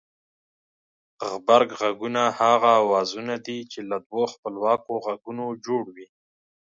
غبرگ غږونه هغه اوازونه دي چې له دوو خپلواکو غږونو جوړ وي